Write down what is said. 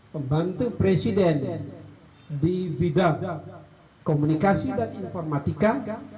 pembantu presiden di bidang komunikasi dan informatika